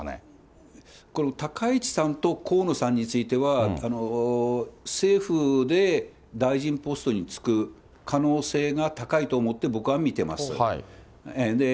この高市さんと河野さんについては、政府で大臣ポストに就く可能性が高いと思って、僕は見てます。